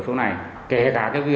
rất là mong